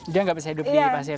dia nggak bisa hidup di pasir